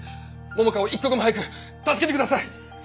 桃香を一刻も早く助けてください！